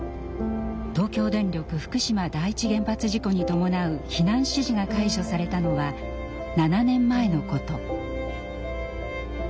東京電力福島第一原発事故に伴う避難指示が解除されたのは７年前のこと。